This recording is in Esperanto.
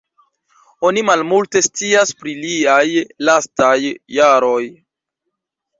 Oni malmulte scias pri liaj lastaj jaroj.